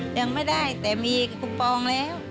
ยังไม่ได้แต่มีคูปองแล้ว